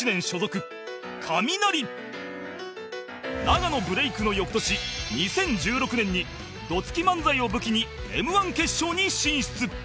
永野ブレイクの翌年２０１６年にどつき漫才を武器に Ｍ−１ 決勝に進出